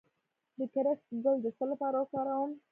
د کرفس ګل د څه لپاره وکاروم؟